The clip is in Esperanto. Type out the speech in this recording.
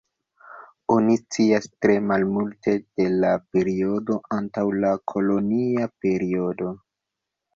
Oni scias tre malmulte de la periodo antaŭ la kolonia periodo.